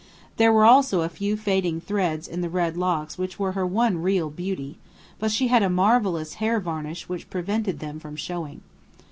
There were also a few fading threads in the red locks which were her one real beauty; but she had a marvellous hair varnish which prevented them from showing.